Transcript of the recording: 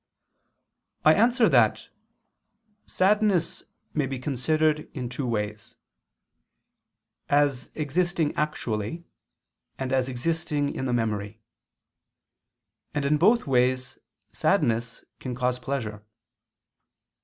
I answer that, Sadness may be considered in two ways: as existing actually, and as existing in the memory: and in both ways sadness can cause pleasure.